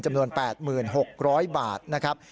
จำนวน๘๖๐๐บาทนะครับ